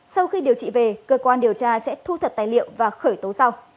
sau khi điều trị về cơ quan điều tra sẽ thu thập tài liệu và khởi tố sau